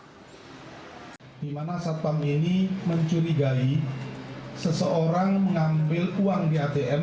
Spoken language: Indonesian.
di mana satpam ini mencurigai seseorang mengambil uang di atm